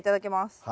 はい。